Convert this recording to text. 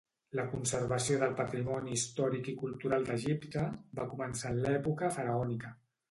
La conservació del patrimoni històric i cultural d'Egipte va començar en l'època faraònica.